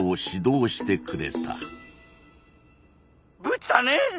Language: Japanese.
☎ぶったね！